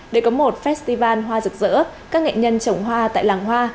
để có một festival hoa rực rỡ các nghệ nhân trồng hoa tại làng hoa